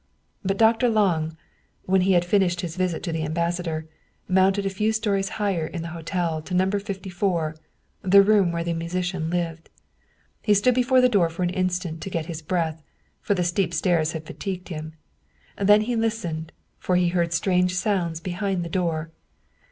But Dr. Lange, when he had finished his visit to the ambassador, mounted a few stories higher in the hotel to No. 54, the room where the musician lived. He stood before the door for an instant to get his breath, for the steep stairs had fatigued him. Then he listened, for he heard strange sounds behind the door.